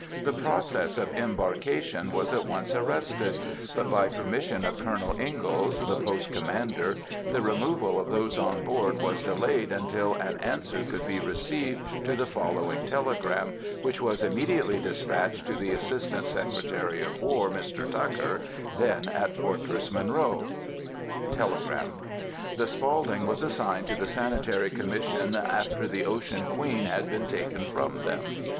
The process of embarkation was at once arrested; but by permission of Colonel Ingalls, the post commander, the removal of those on board was delayed until an answer could be received to the following telegram, which was immediately despatched to the Assistant Secretary of War, Mr. Tucker, then at Fortress Monroe. (Telegram.) "The Spaulding was assigned to the Sanitary Commission after the Ocean Queen had been taken from them.